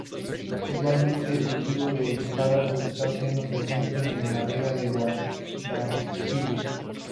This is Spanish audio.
Igualmente, el cultivo del espárrago se está haciendo frecuente en la vega del Guadalquivir.